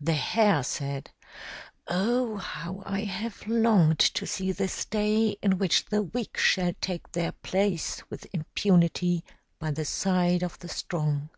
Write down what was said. The Hare said, "Oh, how I have longed to see this day, in which the weak shall take their place with impunity by the side of the strong."